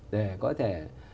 để có thể